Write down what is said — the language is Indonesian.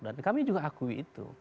kami juga akui itu